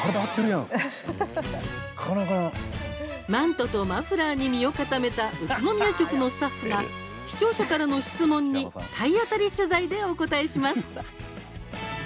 マントとマフラーに身を固めた宇都宮局のスタッフが視聴者からの質問に体当たり取材でお応えします。